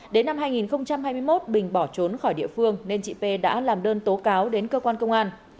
đến năm hai nghìn hai mươi một bình bỏ trốn khỏi địa phương nên chị p đã làm đơn tố cáo đến cơ quan công an